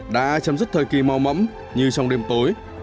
đã chấm dứt thời kỳ mau mẫm như trong đêm tối